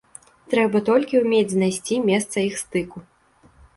Трэба толькі ўмець знайсці месца іх стыку